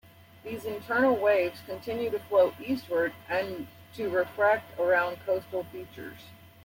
These "internal waves" continue to flow eastward and to refract around coastal features.